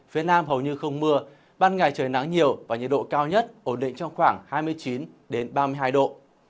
phía nam hầu như không mưa ban ngày trời nắng nhiều và nhiệt độ cao nhất ổn định trong khoảng hai mươi chín ba mươi hai độ